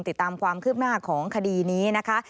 ติดตามความคืบหน้าของคดีนี้นะคะ